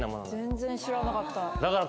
全然知らなかった。